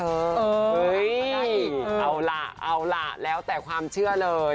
อะไรอีกเอาล่ะเอาล่ะแล้วแต่ความเชื่อเลย